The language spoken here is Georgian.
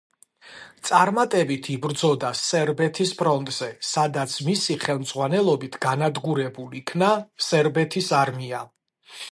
წარმატებით იბრძოდა სერბეთის ფრონტზე, სადაც მისი ხელმძღვანელობით განადგურებულ იქნა სერბეთის არმია.